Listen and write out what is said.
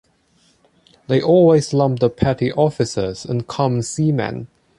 They always lump the petty officers and common seamen.